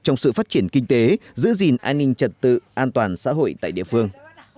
trong sự phát triển kinh tế giữ gìn an ninh trật tự an toàn xã hội tại địa phương